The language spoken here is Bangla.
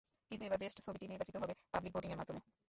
কিন্তু, এবার বেস্ট ছবিটি নির্বাচিত হবে পাবলিক ভোটিং এর মাধ্যমে।